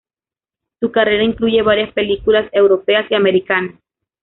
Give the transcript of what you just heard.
Su carrera incluye varias películas europeas y americanas.